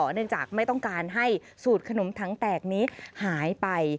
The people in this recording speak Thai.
เนื่องจากไม่ต้องการให้สูตรขนมถังแตกนี้หายไป